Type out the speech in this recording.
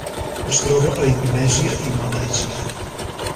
Es troba a Indonèsia i Malàisia.